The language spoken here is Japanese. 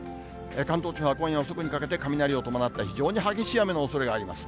関東地方は今夜遅くにかけて、雷を伴った非常に激しい雨のおそれがあります。